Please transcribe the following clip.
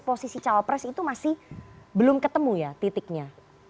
posisi cawapres itu masih belum ketemu ya titiknya